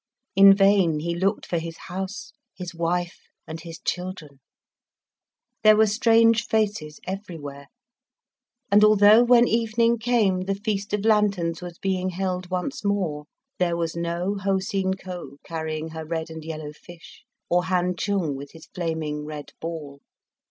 In vain he looked for his house, his wife, and his children. There were strange faces everywhere; and although when evening came the Feast of Lanterns was being held once more, there was no Ho Seen Ko carrying her red and yellow fish, or Han Chung with his flaming red ball.